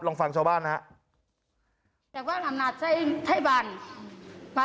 ลองฟังชาวบ้านนะฮะ